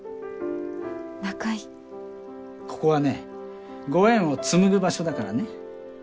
ここはねご縁を紡ぐ場所だからね。